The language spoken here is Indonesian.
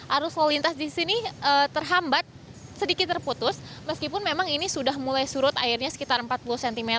arus lalu lintas di sini terhambat sedikit terputus meskipun memang ini sudah mulai surut airnya sekitar empat puluh cm